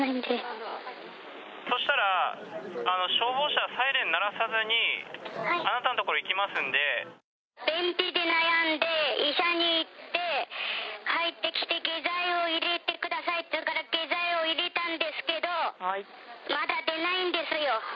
そしたら、消防車、サイレン鳴らさずに、便秘で悩んで、医者に行って、帰ってきて下剤を入れてくださいって言うから、下剤を入れたんですけど、まだ出ないんですよ。